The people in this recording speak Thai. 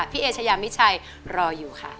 เอเชยามิชัยรออยู่ค่ะ